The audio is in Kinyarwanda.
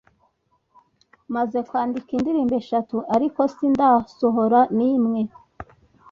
Maze kwandika indirimbo eshatu ariko sindasohora nimwe